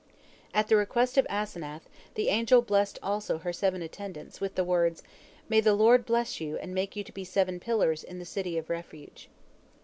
At the request of Asenath, the angel blessed also her seven attendants, with the words, "May the Lord bless you and make you to be seven pillars in the City of Refuge."